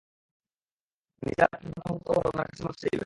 নিজের আত্মাকে পাপমুক্ত করে ওনার কাছে মাফ চাইবেন।